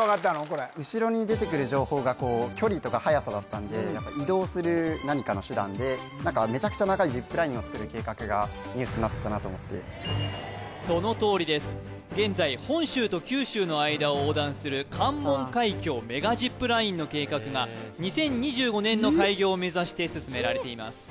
これ後ろに出てくる情報が距離とか速さだったんで何かめちゃくちゃ長いジップラインを作る計画がニュースになってたなと思ってそのとおりです現在本州と九州の間を横断する関門海峡メガジップラインの計画が２０２５年の開業を目指して進められています